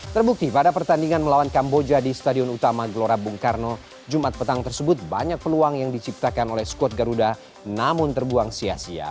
terbukti pada pertandingan melawan kamboja di stadion utama gelora bung karno jumat petang tersebut banyak peluang yang diciptakan oleh skuad garuda namun terbuang sia sia